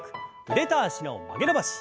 腕と脚の曲げ伸ばし。